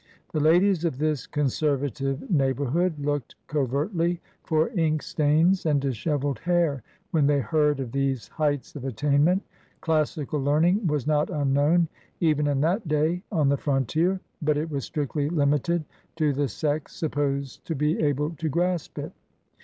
The ladies of this conservative neighborhood looked covertly for ink stains and disheveled hair when they heard of these heights of attainment. Classical learning was not unknown even in that day on the frontier, but it was strictly limited to the sex supposed to be able to grasp it.